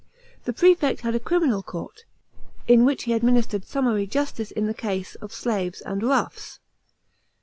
The prefect had a criminal court, in which he administered summary justice in the case of slaves and " roughs."